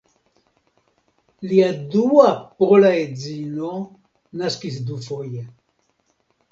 Lia dua pola edzino naskis dufoje.